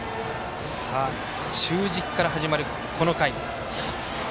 中軸から始まる、この回。